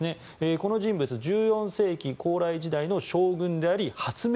この人物、１４世紀高麗時代の将軍であり発明